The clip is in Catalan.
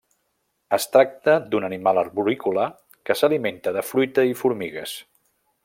Es tracta d'un animal arborícola que s'alimenta de fruita i formigues.